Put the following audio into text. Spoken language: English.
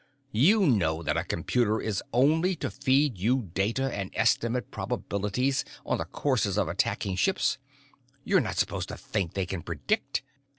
You know that a computer is only to feed you data and estimate probabilities on the courses of attacking ships; you're not supposed to think they can predict!"